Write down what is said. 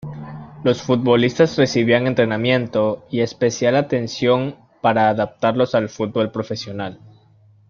Los futbolistas recibían entrenamiento y especial atención para adaptarlos al fútbol profesional.